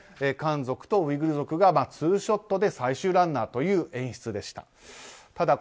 漢族とウイグル族がツーショットで最終ランナーという演出でした。